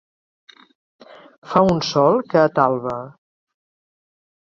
Fa un sol que atalba.